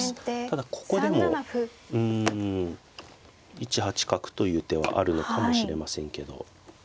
ただここでもうん１八角という手はあるのかもしれませんけど。